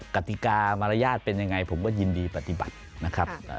กติกามารยาทเป็นยังไงผมก็ยินดีปฏิบัตินะครับ